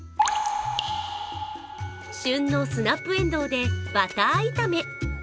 俊のスナップエンドウでバター炒め。